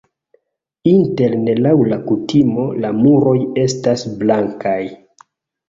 Interne laŭ la kutimo la muroj estas blankaj.